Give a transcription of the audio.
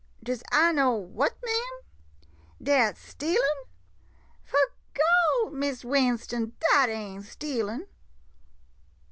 Does I know what, ma'am? Dat stealin'? 'Fo' Gawd — Miss Winston — dat ain't stealin'.